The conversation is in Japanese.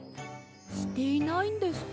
していないんですか？